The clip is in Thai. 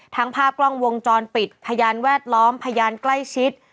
ภาพกล้องวงจรปิดพยานแวดล้อมพยานใกล้ชิด